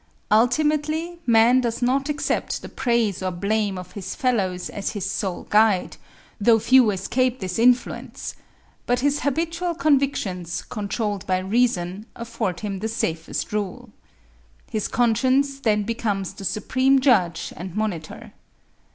Ultimately man does not accept the praise or blame of his fellows as his sole guide, though few escape this influence, but his habitual convictions, controlled by reason, afford him the safest rule. His conscience then becomes the supreme judge and monitor.